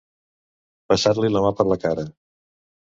Passar-li la mà per la cara.